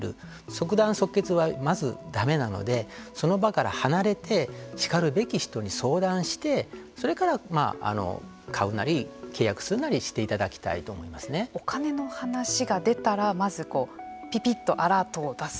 即断即決は、まずだめなのでその場から離れてしかるべき人に相談してそれから買うなり契約するなりお金の話が出たらまずピピっとアラートを出す。